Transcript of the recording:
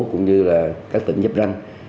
cũng như là các tỉnh dấp ranh